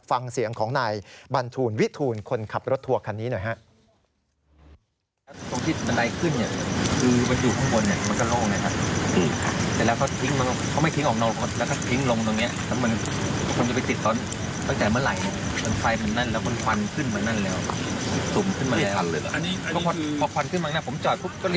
ฟังเสียงของนายบรรทูลวิทูลคนขับรถทัวร์คันนี้หน่อยครับ